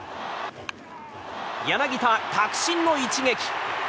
柳田、確信の一撃！